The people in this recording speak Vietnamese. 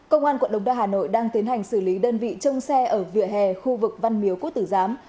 công an quận đồng đa hà nội đang tiến hành xử lý đơn vị trong xe ở vịa hè khu vực văn miếu cú tử giám